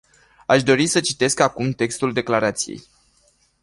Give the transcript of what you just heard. Aș dori să citesc acum textul declarației.